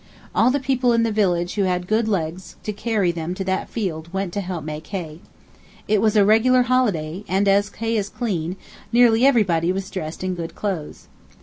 All the people in the village who had legs good enough to carry them to that field went to help make hay. It was a regular holiday, and as hay is clean, nearly everybody was dressed in good clothes.